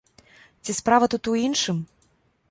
Ці справа тут у іншым?